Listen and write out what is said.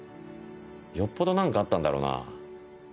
よっぽど何かあったんだろうな。